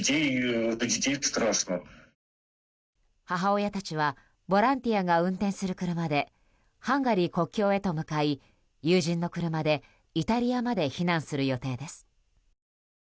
母親たちはボランティアが運転する車でハンガリー国境へと向かい友人の車でイタリアまで避難する予定です。